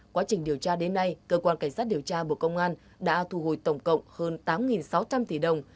quá trình điều tra đến nay cơ quan cảnh sát điều tra bộ công an đã thu hồi tổng cộng hơn tám sáu trăm linh tỷ đồng